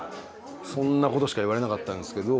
そんなことしか言われなかったんすけど。